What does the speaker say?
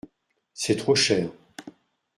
C’est trop cher !…